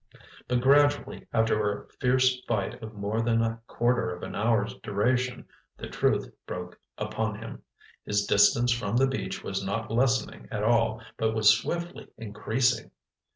But gradually, after a fierce fight of more than a quarter of an hour's duration, the truth broke upon him. His distance from the beach was not lessening at all, but was swiftly increasing.